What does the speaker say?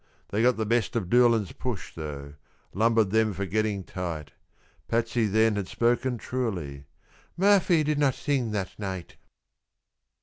They got the best of Doolan's push, though; lumbered them for getting tight. Patsy then had spoken truly, "Murphy did not sing that night."